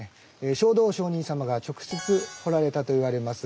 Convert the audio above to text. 勝道上人様が直接彫られたといわれます